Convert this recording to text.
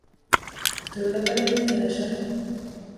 A tőlevelei nyelesek.